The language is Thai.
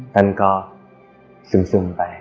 ท่านก็ซึมไป